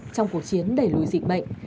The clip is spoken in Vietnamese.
trong cuộc chiến đẩy lùi dịch bệnh